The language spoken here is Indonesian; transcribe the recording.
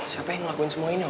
siapa yang ngelakuin semua ini